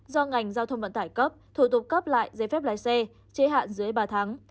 do ngành giao thông vận tải cấp thủ tục cấp lại giấy phép lái xe hạn dưới ba tháng